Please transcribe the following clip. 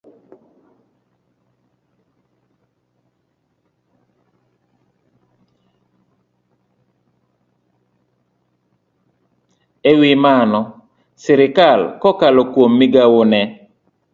E wi mano, sirkal kokalo kuom migawone